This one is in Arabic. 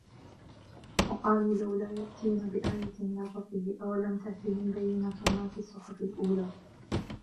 وقالوا لولا يأتينا بآية من ربه أولم تأتهم بينة ما في الصحف الأولى